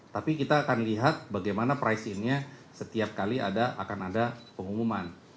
tapi kita akan lihat bagaimana price in nya setiap kali akan ada pengumuman